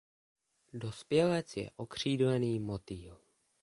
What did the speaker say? Dospělec je okřídlený motýl.